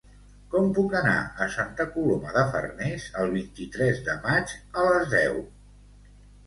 Com puc anar a Santa Coloma de Farners el vint-i-tres de maig a les deu?